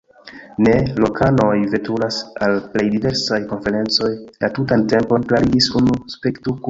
Ne, lokanoj veturas al plej diversaj konferencoj la tutan tempon, klarigis unu skeptikulo.